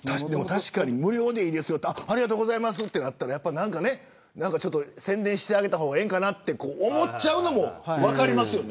確かに無料でいいですよありがとうございますとなったら宣伝してあげた方がええんかなと思っちゃうのも分かりますよね。